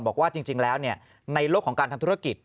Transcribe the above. บอกว่าจริงแล้วในโลกของการทำธุรกิจ